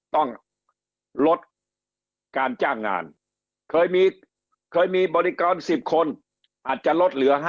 ต้องลดการจ้างงานเคยมีเคยมีบริการ๑๐คนอาจจะลดเหลือ๕๐